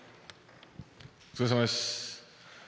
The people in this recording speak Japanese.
お疲れさまです。